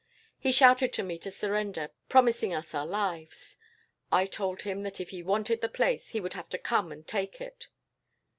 He shouted to me to surrender, promising us our lives. I told him that if he wanted the place, he would have to come and take it.